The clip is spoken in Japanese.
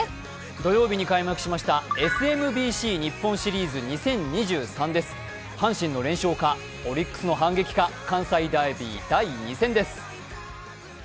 土曜日に開幕しましたＳＭＢＣ日本シリーズ２０２３、阪神の連勝かオリックスの反撃か関西ダービー第２戦です。